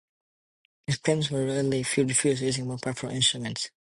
His claims were readily refuted using more powerful instruments.